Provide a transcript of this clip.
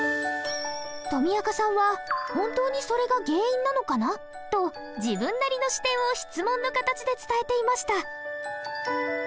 とみあかさんは「本当にそれが原因なのかな？」と自分なりの視点を質問の形で伝えていました。